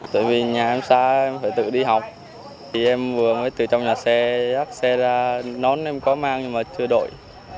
tại vì nhà em xa em phải tự đi học thì em vừa mới từ trong nhà xe dắt xe ra nón em có mang nhưng mà chưa đội